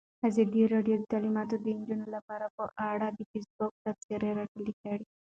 ازادي راډیو د تعلیمات د نجونو لپاره په اړه د فیسبوک تبصرې راټولې کړي.